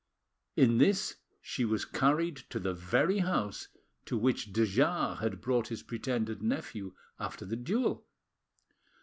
In this she was carried to the very house to which de Jars had brought his pretended nephew after the duel.